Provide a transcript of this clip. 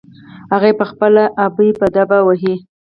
هغه يې په خپله ابه په دبه وهي.